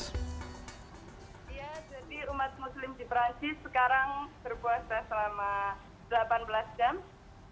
ya jadi umat muslim di perancis sekarang berpuasa selama delapan belas jam